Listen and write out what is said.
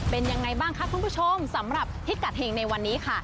เป็นยังไงบ้างคะคุณผู้ชมสำหรับพิกัดเห็งในวันนี้ค่ะ